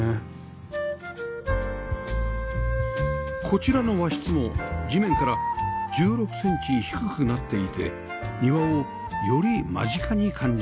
こちらの和室も地面から１６センチ低くなっていて庭をより間近に感じられます